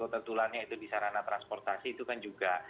resiko tertulannya itu di sarana transportasi itu kan juga